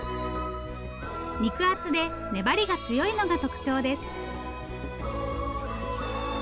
肉厚で粘りが強いのが特徴です。